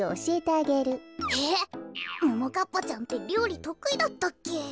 こころのこええっももかっぱちゃんってりょうりとくいだったっけ？